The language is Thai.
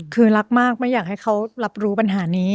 คือรักมากไม่อยากให้เขารับรู้ปัญหานี้